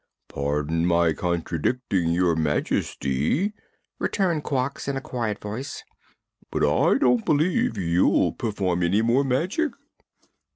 "Pardon me for contradicting Your Majesty," returned Quox in a quiet voice, "but I don't believe you'll perform any more magic."